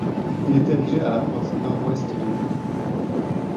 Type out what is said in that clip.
Il est érigé à la pointe nord-ouest de l'île.